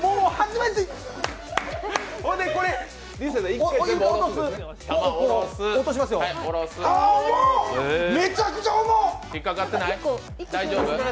めちゃくちゃ重っ！